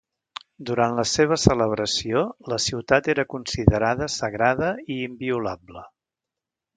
Durant la seva celebració la ciutat era considerada sagrada i inviolable.